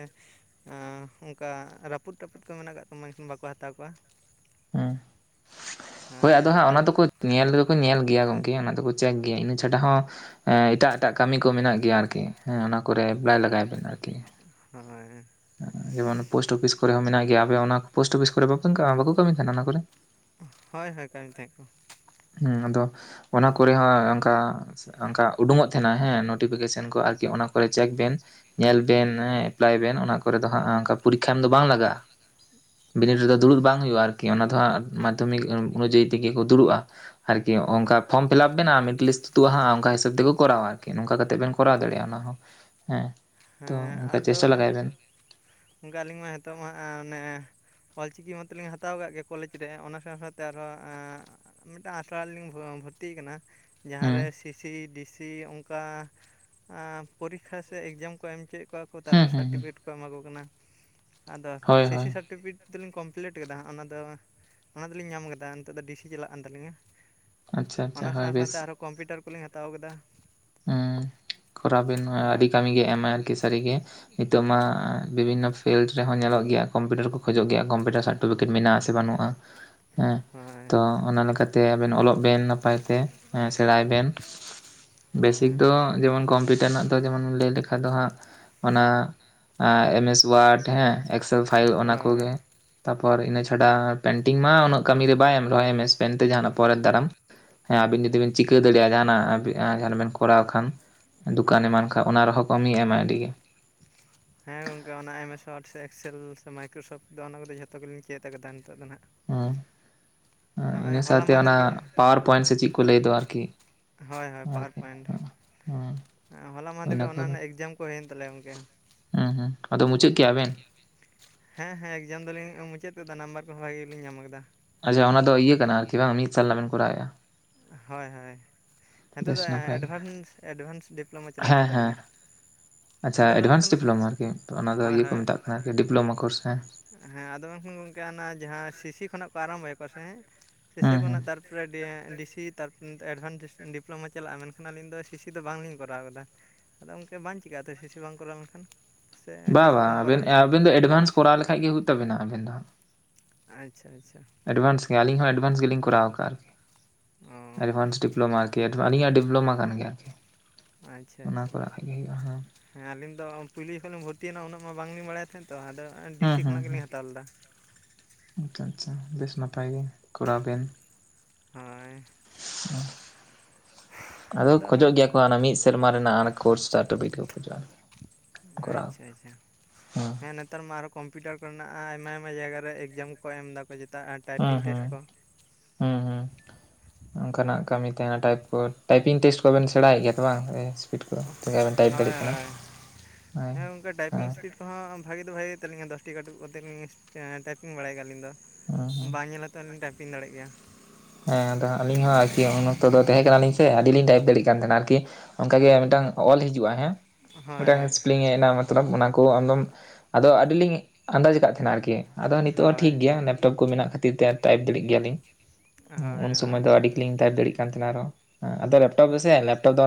ᱚᱱᱠᱟ ᱨᱟᱹᱯᱩᱫ ᱛᱟᱹᱯᱩᱫ ᱠᱚ ᱢᱮᱱᱟᱜ ᱟᱠᱟᱫ ᱛᱟᱢᱟ ᱢᱮᱱᱠᱷᱟᱱ ᱵᱟᱠᱚ ᱦᱟᱛᱟᱣ ᱠᱚᱣᱟ ᱦᱮᱸ ᱦᱚᱭ ᱦᱳᱭ ᱟᱫᱚ ᱦᱟᱸᱜ ᱚᱱᱟ ᱟᱞᱮ ᱫᱚᱠᱚ ᱧᱮᱞ ᱫᱚ ᱠᱚ ᱧᱮᱞ ᱜᱮᱭᱟ ᱜᱚᱝᱠᱮ ᱚᱱᱟ ᱫᱚᱠᱚ ᱪᱮᱠ ᱜᱮᱭᱟ ᱤᱱᱟᱹ ᱪᱷᱟᱰᱟ ᱦᱚᱸ ᱮᱸ, ᱮᱴᱟᱜ ᱮᱴᱟᱜ ᱠᱟᱹᱢᱤ ᱠᱚ ᱢᱮᱱᱟᱜ ᱜᱮᱭᱟ ᱟᱨᱠᱤ ᱦᱮᱸ ᱚᱱᱟ ᱠᱚᱨᱮ ᱮᱯᱞᱟᱭ ᱞᱟᱜᱟᱭ ᱵᱮᱱ ᱟᱨᱠᱤ᱾ ᱦᱳᱭ᱾ ᱡᱮᱢᱚᱱ ᱯᱳᱥᱴ ᱚᱯᱷᱤᱥ ᱠᱚᱨᱮ ᱦᱚᱸ ᱢᱮᱱᱟᱜ ᱜᱮᱭᱟ, ᱟᱯᱮ ᱚᱱᱟ ᱯᱳᱥᱴ ᱚᱯᱷᱤᱥ ᱠᱚᱨᱮ ᱵᱟᱵᱤᱱ ᱠᱚ ᱵᱟᱠᱚ ᱠᱟᱹᱢᱤ ᱠᱟᱱᱟ ᱚᱱᱟ ᱠᱚᱨᱮ? ᱚ, ᱦᱳᱭ ᱦᱳᱭ ᱠᱟᱢᱤ ᱛᱟᱦᱮᱸᱜ ᱠᱚ᱾ ᱦᱩᱸ ᱟᱫᱚ ᱚᱱᱟ ᱠᱚᱨᱮ ᱦᱚᱸ ᱚᱝᱠᱟ ᱚᱝᱠᱟ ᱩᱰᱩᱠᱚᱝ ᱛᱟᱸᱦᱮᱱᱟ ᱦᱮᱸ ᱱᱚᱴᱤᱯᱷᱤᱠᱮᱥᱚᱱ ᱠᱚ ᱟᱨᱠᱤ ᱚᱱᱟ ᱠᱚᱨᱮ ᱪᱮᱠ ᱵᱮᱱ᱾ ᱧᱮᱞ ᱵᱮᱱ ᱦᱮᱸ ᱮᱯᱞᱟᱭ ᱵᱮᱱ ᱚᱱᱟ ᱠᱚᱨ ᱫᱚ ᱦᱟᱸᱜ ᱚᱝᱠᱟ ᱯᱚᱨᱤᱠᱠᱷᱟ ᱮᱢ ᱫᱚ ᱵᱟᱝ ᱞᱟᱜᱟᱜ-ᱟ᱾ [inaudible] ᱵᱤᱱᱤᱰ ᱨᱮᱫᱚ ᱫᱩᱲᱩᱵ ᱵᱟᱝ ᱦᱩᱭᱩᱜ-ᱟ ᱟᱨᱠᱤ ᱚᱱᱟ ᱫᱚ ᱦᱟᱸᱜ ᱢᱟᱫᱽᱫᱷᱚᱢᱤᱠ ᱚᱱᱩᱡᱟᱭᱤ ᱛᱮᱜᱮ ᱠᱚ ᱫᱩᱲᱩᱵ-ᱟ᱾ ᱟᱨᱠᱤ ᱚ ᱚᱝᱠᱟ ᱯᱷᱚᱨᱚᱢ ᱯᱷᱤᱞᱟᱯ ᱵᱮᱱᱟ ᱢᱤᱫᱴ ᱞᱤᱥᱴ ᱛᱩᱫ ᱦᱟᱸᱜ ᱚᱝᱠᱟ ᱦᱤᱥᱟᱹᱵ ᱛᱮᱠᱚ ᱠᱚᱨᱟᱣᱟ᱾ ᱤᱠᱷᱟᱹᱱ ᱱᱚᱝᱠᱟ ᱠᱟᱛᱮᱜ ᱵᱮᱱ ᱠᱚᱨᱟᱣ ᱫᱟᱲᱮᱜ-ᱟ ᱚᱱᱟ ᱦᱚᱸ ᱦᱮᱸ᱾ ᱛᱚ ᱦᱮᱸ ᱚᱱᱠᱟ ᱟᱫᱚ ᱪᱮᱥᱴᱟ ᱞᱟᱜᱟᱭ ᱵᱮᱱ ᱚᱝᱠᱟ ᱟᱹᱞᱤᱧ ᱢᱟ ᱦᱤᱸᱛᱳᱜ ᱢᱟ ᱦᱟᱸᱜ ᱚᱱᱮ ᱚᱞᱪᱤᱠᱤ ᱢᱟᱛᱚ ᱞᱤᱧ ᱦᱟᱛᱟᱣ ᱠᱟᱜ ᱜᱮ ᱠᱚᱞᱮᱡᱽ ᱨᱮ ᱚᱱᱟ ᱥᱟᱶ ᱥᱟᱶᱛᱮ ᱟᱨᱦᱚᱸ ᱮᱸ, ᱢᱤᱫᱴᱟᱱ ᱟᱥᱲᱟ ᱨᱮ ᱞᱤᱧ ᱵᱷᱚᱨᱛᱤ ᱠᱟᱱᱟ ᱦᱩᱸ ᱡᱟᱦᱟᱸᱨᱮ ᱥᱤᱥᱤ ᱰᱤᱥᱤ ᱚᱝᱠᱟ ᱟᱸ, ᱯᱚᱨᱤᱠᱠᱷᱟ ᱥᱮ ᱮᱜᱽᱡᱟᱢ ᱠᱚ ᱮᱢᱪᱚᱭᱮᱫ ᱠᱚᱣᱟ ᱠᱚ ᱦᱩᱸ ᱛᱟᱨᱯᱚᱨᱮ ᱦᱩᱸ ᱦᱩᱸ ᱥᱟᱨᱴᱤᱯᱷᱤᱠᱮᱴ ᱠᱚ ᱮᱢᱟ ᱠᱚ ᱠᱟᱱᱟ᱾ ᱟᱫᱚ ᱦᱳᱭ ᱦᱳᱭ ᱥᱤᱥᱤ ᱥᱟᱨᱴᱤᱯᱷᱤᱠᱮᱴ ᱱᱤᱛ ᱫᱚᱞᱤᱧ ᱠᱚᱢᱯᱞᱤᱴ ᱟᱠᱟᱫᱟ ᱦᱟᱸᱜ ᱚᱱᱟᱫᱚ ᱚᱱᱟ ᱫᱚᱞᱤᱧ ᱧᱟᱢ ᱟᱠᱟᱫᱟ, ᱱᱤᱛᱚᱜ ᱫᱚ ᱰᱤᱥᱤ ᱪᱟᱞᱟᱜ ᱠᱟᱱ ᱛᱟᱹᱞᱤᱧᱟ᱾ ᱟᱪᱪᱷᱟ ᱟᱪᱪᱷᱟ ᱚᱱᱟ ᱦᱳᱭ ᱥᱟᱶ ᱥᱟᱶᱛᱮ ᱵᱮᱥ ᱟᱨᱦᱚᱸ ᱠᱚᱢᱯᱤᱭᱩᱴᱟᱨ ᱠᱚᱞᱤᱧ ᱦᱟᱛᱟᱣ ᱠᱟᱫᱟ᱾ ᱦᱩᱸ ᱠᱚᱨᱟᱣ ᱵᱤᱱ ᱢᱟ, ᱟᱹᱰᱤ ᱦᱳᱭ ᱠᱟᱹᱢᱤ ᱜᱮ ᱮᱢᱟᱭ ᱟᱨᱠᱤ ᱥᱟᱹᱨᱤ ᱜᱮ᱾ ᱱᱤᱛᱳᱜ ᱢᱟ ᱵᱤᱵᱷᱤᱱᱱᱚ ᱯᱷᱤᱞᱰ ᱨᱮᱦᱚᱸ ᱧᱮᱞᱚᱜ ᱜᱮᱭᱟ ᱠᱚᱢᱯᱤᱭᱩᱴᱟᱨ ᱠᱚ ᱠᱷᱚᱡᱚᱜ ᱜᱮᱭᱟ ᱠᱚᱢᱯᱤᱭᱩᱴᱟᱨ ᱥᱟᱨᱴᱚᱯᱷᱤᱠᱮᱴ ᱢᱮᱱᱟᱜ-ᱟ ᱥᱮ ᱵᱟᱹᱱᱩᱜ-ᱟ᱾ [inaudible] ᱦᱮᱸ ᱛᱚ, ᱚᱱᱟ ᱞᱮᱠᱟᱛᱮ ᱟᱵᱮᱱ ᱚᱞᱚᱜ ᱵᱮᱱ ᱱᱟᱯᱟᱭᱛᱮ ᱦᱮᱸ ᱥᱮᱬᱟᱭ ᱵᱮᱱ᱾ ᱵᱮᱥᱤᱠ ᱫᱚ ᱦᱳᱭ ᱡᱮᱢᱚᱱ ᱠᱚᱢᱯᱤᱭᱩᱴᱟᱨ ᱨᱮᱱᱟᱜ ᱫᱚ ᱡᱮᱢᱚᱱ ᱞᱟᱹᱭ ᱞᱮᱠᱷᱟᱱ ᱫᱚ ᱦᱟᱸᱜ᱾ ᱚᱱᱟ ᱮᱢᱮᱥ ᱚᱣᱟᱨᱰ ᱦᱮᱸ ᱮᱠᱥᱮᱞ ᱯᱷᱟᱭᱤᱞ ᱚᱱᱟ ᱦᱳᱭ ᱠᱚᱜᱮ᱾ ᱛᱟᱯᱚᱨ ᱤᱱᱟᱹ ᱪᱷᱟᱰᱟ ᱯᱮᱱᱴᱤᱝ ᱢᱟ ᱩᱱᱟᱹᱜ ᱠᱟᱹᱢᱤ ᱨᱮ ᱵᱟᱭ ᱮᱢ ᱨᱮᱦᱚᱭ ᱮᱢᱮᱥ ᱢᱮᱱᱛᱮ ᱡᱟᱸᱦᱟᱱᱟᱜ ᱯᱚᱨᱮᱨ ᱫᱟᱨᱟᱢ ᱦᱮᱸ ᱟᱵᱤᱱ ᱡᱩᱫᱤ ᱵᱤᱱ ᱪᱤᱠᱟᱹ ᱫᱟᱲᱮᱭᱟᱜ-ᱟ ᱡᱟᱸᱦᱟᱱᱟᱜ ᱟᱵᱤ ᱡᱟᱸᱦᱟᱱᱟᱜ ᱵᱮᱱ ᱠᱚᱨᱟᱣ ᱠᱷᱟᱱ ᱫᱚᱠᱟᱱᱮ ᱦᱳᱭ ᱮᱢᱟᱱ ᱠᱷᱟᱱ ᱚᱱᱟ ᱨᱮᱦᱚᱸ ᱠᱟᱹᱢᱤᱭ ᱮᱢᱟᱭ ᱟᱹᱰᱤᱜᱮ᱾ ᱦᱮᱸ ᱜᱚᱝᱠᱮ ᱚᱱᱟ ᱮᱢᱮᱥ ᱚᱣᱟᱴ ᱥᱮ ᱮᱠᱥᱮᱞ ᱥᱮ ᱢᱟᱭᱠᱨᱳᱥᱚᱯᱷᱴ ᱫᱚ ᱚᱱᱟ ᱠᱚᱫᱚ ᱡᱚᱛᱚᱜᱮᱞᱤᱧ ᱪᱮᱫ ᱟᱠᱟᱫᱟ ᱱᱤᱛᱚᱜ ᱫᱚ ᱱᱟᱦᱟᱜ᱾ [inaudible] ᱦᱩᱸ, ᱱᱚᱜᱼᱚᱭ ᱤᱱᱟᱹ ᱦᱚᱞᱟ ᱥᱟᱶᱛᱮ ᱚᱱᱟ ᱢᱟᱦᱫᱮᱨ ᱜᱮ ᱯᱟᱣᱟᱨ ᱯᱚᱭᱮᱱᱴ ᱥᱮ ᱪᱮᱫ ᱠᱚ ᱞᱟᱹᱭ ᱫᱚ ᱟᱨᱠᱤ᱾ ᱦᱳᱭ ᱦᱳᱭ ᱯᱟᱣᱟᱨ ᱯᱚᱭᱮᱱᱴ᱾ ᱦᱩᱸ᱾ ᱦᱮᱸ, ᱦᱚᱞᱟ ᱢᱟᱦᱫᱮᱨ ᱜᱮ ᱚᱱᱟ ᱨᱮᱱᱟᱜ ᱮᱠᱡᱟᱢ ᱠᱚ ᱦᱩᱭᱮᱱ ᱛᱟᱞᱮᱭᱟ ᱜᱚᱝᱠᱮ᱾ ᱦᱩᱸ ᱦᱩᱸ ᱟᱫᱚ ᱢᱩᱪᱟᱹᱫ ᱠᱮᱜ-ᱟ ᱵᱮᱱ? ᱦᱮᱸ ᱦᱮᱸ ᱮᱠᱡᱟᱢ ᱫᱚᱞᱤᱧ ᱢᱩᱪᱟᱹᱫ ᱠᱟᱫᱟ ᱱᱟᱢᱵᱟᱨ ᱠᱚᱦᱚᱸ ᱵᱷᱟᱜᱮ ᱜᱮᱞᱤᱧ ᱧᱟᱢ ᱟᱠᱟᱫᱟ᱾ ᱟᱪᱪᱷᱟ ᱚᱱᱟ ᱫᱚ ᱤᱭᱟᱹ ᱠᱟᱱᱟ ᱟᱨᱠᱤ ᱵᱟᱝ ᱢᱤᱛ ᱥᱟᱞᱟ ᱵᱮᱱ ᱠᱚᱨᱟᱣᱮᱜ-ᱟ᱾ ᱦᱳᱭ ᱦᱳᱭ᱾ ᱦᱤᱺᱛᱳᱜ ᱫᱚ ᱵᱮᱥ ᱱᱟᱯᱟᱭ ᱜᱮ ᱮᱰᱵᱷᱟᱱᱥ ᱮᱰᱵᱷᱟᱱᱥ ᱰᱤᱯᱞᱳᱢᱟ ᱪᱟᱞᱟᱜ ᱦᱮᱸ ᱠᱟᱱ ᱦᱮᱸ ᱛᱟᱹᱞᱤᱧᱟ᱾ ᱟᱪᱪᱷᱟ ᱟᱫᱚ ᱮᱰᱵᱷᱟᱱᱥ ᱢᱮᱱᱠᱷᱟᱱ ᱰᱤᱯᱞᱳᱢᱟ ᱟᱨᱠᱤ? ᱛᱚ, ᱚᱱᱟ ᱫᱚ ᱦᱳᱭ ᱤᱭᱟᱹ ᱠᱚ ᱦᱳᱭ ᱢᱮᱛᱟᱜ ᱠᱟᱱᱟ ᱟᱨᱠᱤ ᱰᱤᱯᱞᱳᱢᱟ ᱠᱳᱨᱥ ᱦᱮᱸ᱾ ᱦᱮᱸ ᱟᱫᱚ ᱢᱮᱱᱠᱷᱟᱱ ᱜᱚᱝᱠᱮ ᱚᱱᱟ ᱡᱟᱦᱟᱸ ᱥᱤᱥᱤ ᱠᱷᱚᱱᱟᱜ ᱠᱚ ᱟᱨᱟᱢᱵᱟᱭ ᱠᱚᱣᱟ ᱥᱮ ᱦᱮᱸ ᱥᱤᱥᱤ ᱦᱮᱸ ᱦᱮᱸ ᱠᱷᱚᱱᱟᱜ ᱛᱟᱨ [unintelligible] ᱥᱤ ᱛᱟᱨᱯᱚᱨ ᱮᱰᱵᱷᱟᱱᱥ ᱰᱤᱯᱞᱳᱢᱟ ᱪᱟᱞᱟᱜ-ᱟ ᱢᱮᱱᱠᱷᱟᱱ ᱟᱹᱞᱤᱧ ᱫᱚ ᱥᱤᱥᱤ ᱫᱚ ᱵᱟᱝᱞᱤᱧ ᱠᱚᱨᱟᱣ ᱠᱟᱫᱟ᱾ ᱟᱫᱚ ᱜᱚᱝᱠᱮ ᱵᱟᱝ ᱪᱤᱠᱟᱹᱜ-ᱟ ᱛᱚ ᱥᱤᱥᱤ ᱵᱟᱝ ᱠᱚᱨᱟᱣ ᱞᱮᱱᱠᱷᱟᱱ? ᱥᱮ ᱵᱟ ᱥᱤᱥᱤ ᱵᱟ, ᱠᱚᱦᱚᱸ ᱟᱵᱮᱱ ᱠᱚᱨᱟᱣ ᱦᱩᱭᱩᱜᱼᱟ ᱟᱹᱵᱤᱱ ᱫᱚ ᱮᱰᱵᱷᱟᱱᱥ ᱠᱚᱨᱟᱣ ᱞᱮᱠᱷᱟᱡ ᱜᱮ ᱦᱩᱭᱩᱜ ᱛᱟᱵᱤᱱᱟ ᱟᱵᱮᱱ ᱫᱚ᱾ ᱟᱪᱪᱷᱟ ᱟᱪᱪᱷᱟ ᱾ ᱮᱰᱵᱷᱟᱱᱥ ᱜᱮ ᱟᱹᱞᱤᱧ ᱦᱚᱸ ᱮᱰᱵᱟᱱᱥ ᱜᱮᱞᱤᱧ ᱠᱚᱨᱟᱣ ᱠᱟᱜ ᱟᱨᱠᱤ ᱾ ᱚ ᱮᱰᱵᱷᱟᱱᱥ ᱰᱤᱯᱞᱳᱢᱟ ᱜᱮ ᱟᱹᱞᱤᱧᱟᱜ ᱰᱤᱯᱞᱳᱢᱟ ᱠᱟᱱ ᱜᱮᱭᱟ ᱟᱨᱠᱤ ᱾ ᱟᱪᱪᱷᱟ ᱟᱪᱪᱷᱟ ᱾ ᱦᱮᱸ ᱟᱹᱞᱤᱧ ᱫᱚ ᱯᱩᱭᱞᱳ ᱡᱚᱠᱷᱚᱱ ᱞᱤᱧ ᱵᱷᱚᱨᱛᱤᱭᱱᱟ ᱩᱱᱟᱹᱜ ᱢᱟ ᱵᱟᱝᱞᱤᱧ ᱵᱟᱲᱟᱭ ᱛᱟᱦᱮᱸᱫ ᱛᱚ ᱟᱫᱚ ᱦᱩᱸ ᱰᱤᱥᱤ ᱦᱩᱸ ᱠᱷᱚᱱᱟᱜ ᱜᱮᱞᱤᱧ ᱦᱩᱸ ᱦᱟᱛᱟᱣ ᱞᱮᱫᱟ ᱟᱪᱪᱷᱟ ᱟᱪᱪᱷᱟ ᱵᱮᱥ ᱱᱟᱯᱟᱭ ᱜᱮ ᱠᱚᱨᱟᱣ ᱵᱮᱱ᱾ ᱦᱳᱭ, [inaudible] ᱟᱫᱚ ᱠᱷᱚᱡᱚᱜ ᱜᱮᱭᱟ ᱠᱚ ᱚᱱᱟ ᱢᱤᱥ ᱛᱮᱨᱢᱟ ᱨᱮᱱᱟᱜ ᱚᱱᱮ ᱠᱚᱨᱥ ᱴᱟ ᱴᱨᱚᱯᱤᱠ ᱠᱚ ᱠᱷᱚᱡ ᱟᱨᱠᱤ ᱾ ᱟᱪᱪᱷᱟ ᱟᱪᱪᱷᱟ ᱦᱩᱸ ᱾ ᱦᱮᱸ ᱱᱮᱛᱟᱨ ᱢᱟ ᱟᱨᱚ ᱠᱚᱢᱯᱤᱭᱩᱴᱟᱨ ᱠᱚᱨᱮᱱᱟᱜ ᱟᱭᱢᱟ ᱟᱭᱢᱟ ᱡᱟᱭᱜᱟ ᱨᱮ ᱮᱠᱡᱟᱢ ᱠᱚ ᱮᱢ ᱫᱟᱠᱚ ᱪᱮᱛᱟᱜ ᱾ ᱦᱩᱸ ᱦᱩᱸ ᱦᱩᱸ ᱦᱩᱸ ᱾ ᱚᱱᱠᱟᱱᱟᱜ ᱠᱟᱹᱢᱤ ᱛᱟᱦᱮᱱᱟ ᱴᱟᱭᱤᱯ ᱠᱚ ᱴᱟᱭᱯᱤᱝ ᱴᱮᱥᱴ ᱠᱚᱵᱮᱱ ᱥᱮᱬᱟᱭᱮᱫ ᱜᱮᱭᱟ ᱛᱚ ᱵᱟᱝ? ᱠᱚ ᱛᱮᱜᱮ ᱵᱮᱱ [inaudible] ᱴᱟᱭᱤᱯ ᱦᱳᱭ ᱫᱟᱲᱮᱭᱟᱜ ᱠᱟᱱᱟ ᱦᱳᱭ ᱦᱳᱭ ᱦᱮᱸ ᱚᱱᱠᱟ ᱴᱟᱭᱯᱤᱝ ᱦᱮᱸ ᱤᱥᱯᱤᱴ ᱛᱚᱦᱟᱸ ᱵᱷᱟᱜᱮ ᱫᱚ ᱵᱷᱟᱜᱮ ᱜᱮ ᱛᱟᱞᱤᱧᱟ ᱫᱚᱥᱴᱤ ᱠᱟᱹᱴᱩᱵ ᱠᱚᱛᱮ ᱞᱤᱧ ᱴᱟᱭᱯᱤᱝ ᱵᱟᱲᱟᱭ ᱟᱹᱞᱤᱧ ᱫᱚ ᱦᱩᱸ ᱦᱩᱸ ᱵᱟᱝ ᱧᱮᱞ ᱛᱟᱱ ᱴᱟᱭᱯᱤᱝ ᱫᱟᱲᱮᱜ ᱜᱮᱭᱟ᱾ ᱦᱮᱸ ᱟᱫᱚ ᱟᱹᱞᱤᱧ ᱦᱚᱸ ᱟᱭᱠᱤ ᱩᱱ ᱚᱠᱛᱚ ᱫᱚ ᱛᱟᱦᱮᱸ ᱠᱟᱱᱟ ᱞᱤᱧ ᱥᱮ ᱟᱹᱰᱤ ᱞᱤᱧ ᱴᱟᱭᱤᱯ ᱫᱟᱲᱮᱭᱟᱜ ᱠᱟᱱ ᱛᱟᱦᱮᱸᱱᱟ ᱟᱨᱠᱤ᱾ ᱚᱱᱠᱟᱜᱮ ᱢᱤᱫᱴᱟᱝ ᱚᱞ ᱦᱤᱡᱩᱜᱼᱟ ᱦᱮᱸ ᱦᱳᱭ ᱢᱤᱫᱴᱟᱝ ᱦᱳᱭ ᱥᱯᱤᱞᱤᱝ ᱦᱮᱡᱱᱟ ᱛᱚᱞᱟᱵ ᱚᱱᱟ ᱠᱚ ᱟᱢᱫᱚᱢ ᱟᱫᱚ ᱟᱹᱰᱤᱞᱤᱧ ᱟᱱᱫᱟᱡ ᱠᱟᱜ ᱛᱷᱟᱱᱟ ᱟᱨᱠᱤ ᱾ ᱟᱫᱚ ᱱᱤᱛᱚᱜ ᱦᱚᱸ ᱴᱷᱤᱠ ᱦᱳᱭ ᱜᱮᱭᱟ ᱞᱮᱯᱴᱚᱯ ᱠᱚ ᱢᱮᱱᱟᱜ ᱠᱷᱟᱹᱛᱤᱨ ᱛᱮ ᱴᱟᱭᱤᱯ ᱫᱟᱲᱮᱜ ᱜᱮᱭᱟᱞᱤᱧ᱾ ᱩᱱ ᱦᱳᱭ ᱥᱚᱢᱚᱭ ᱫᱚ ᱟᱹᱰᱤ ᱜᱮᱞᱤᱧ ᱴᱟᱭᱤᱯ ᱫᱟᱲᱤᱜ ᱠᱟᱱ ᱛᱷᱮᱱᱟ ᱟᱨᱚ ᱟᱫᱚ ᱞᱮᱯᱴᱚᱯ ᱫᱚ ᱥᱮ ᱞᱮᱯᱴᱚᱯ ᱫᱚ